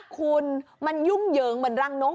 คุณมันยุ่งเหยิงเหมือนรังนก